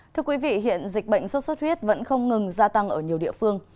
thưa quý vị hiện dịch bệnh sốt xuất huyết vẫn không ngừng gia tăng ở nhiều địa phương